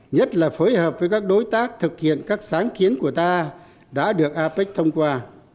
nhất là phối hợp với các đối tác thực hiện các sáng kiến của ta đã được apec thông qua